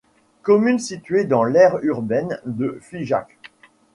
Commune située dans l'aire urbaine de Figeac.